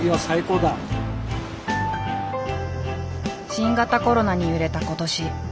新型コロナに揺れた今年。